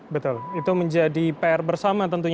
betul itu menjadi pr bersama tentunya